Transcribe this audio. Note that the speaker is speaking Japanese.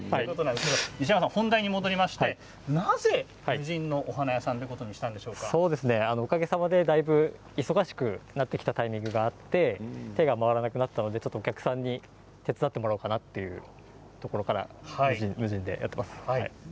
本題に戻りましてなぜ無人のお花屋さんにおかげさまでだいぶ忙しくなってきたタイミングがあって手が回らなくなったのでお客さんに手伝ってもらおうかなというところから無人でやっています。